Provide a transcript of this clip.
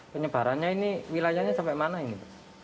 penyebarannya ini wilayahnya sampai mana ini